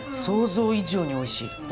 想像以上においしい。